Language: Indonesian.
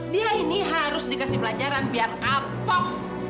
dia ini harus dikasih pelajaran biar kapok